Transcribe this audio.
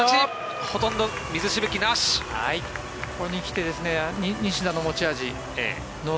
ここに来て西田の持ち味